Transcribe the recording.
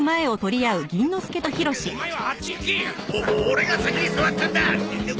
オレが先に座ったんだ！